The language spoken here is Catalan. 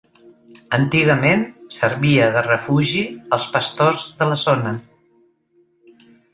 Antigament servia de refugi als pastors de la zona.